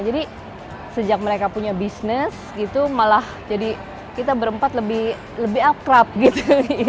jadi sejak mereka punya bisnis gitu malah jadi kita berempat lebih akrab gitu